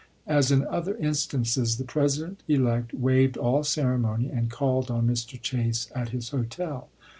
As in other instances, the President elect waived all ceremony and called on Mr. Chase at his hotel.